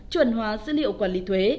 chuẩn hóa dữ liệu quản lý thuế